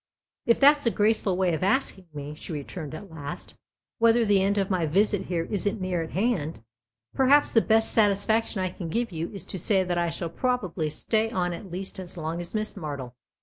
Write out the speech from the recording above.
" If that's a graceful way of asking me," she returned at last, " whether the end of my visit here isn't near at hand, perhaps the best satisfaction I can give you is to say that I shall probably stay on at least as long as Miss Martle.